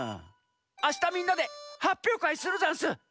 あしたみんなではっぴょうかいするざんす！